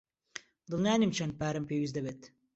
دڵنیا نیم چەند پارەم پێویست دەبێت.